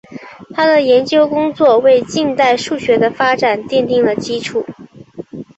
他的研究工作为近代数学的发展奠定了基础。